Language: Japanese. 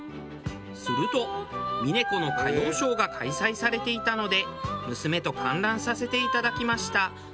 すると「峰子の歌謡ショウ」が開催されていたので娘と観覧させていただきました。